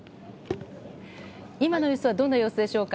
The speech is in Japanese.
今の様子はどんな様子ですか？